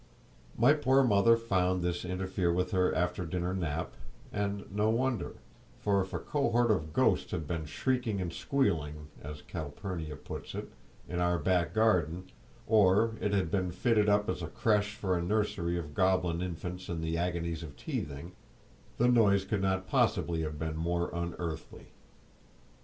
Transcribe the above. My poor mother found this to interfere with her after dinner nap, and no wonder; for if a cohort of ghosts had been "shrieking and squealing," as Calpurnia puts it, in our back garden, or it had been fitted up as a creche for a nursery of goblin infants in the agonies of teething, the noise could not possibly have been more unearthly.